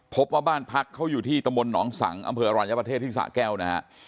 พบมาบ้านพักเขาอยู่ที่ตะมนต์หนองสังอำเภออรรยาประเทศทิศาสตร์แก้วนะฮะ